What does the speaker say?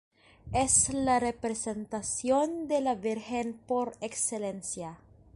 Es la representación de La Virgen por excelencia.